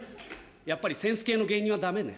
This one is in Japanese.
やっぱりセンス系の芸人はダメね。